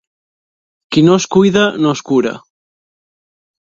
Qui no es cuida no es cura.